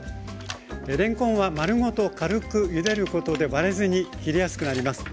れんこんは丸ごと軽くゆでることで割れずに切れやすくなります。